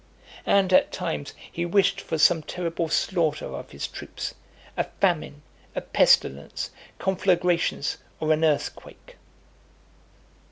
And, at times, he wished for some terrible slaughter of his troops, a famine, a pestilence, conflagrations, or an earthquake.